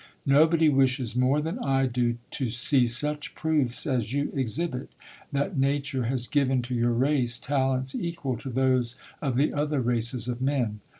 Nobody wishes more than I do to see such proofs as you exhibit, that nature has given to your race talents equal to those of the other races of men.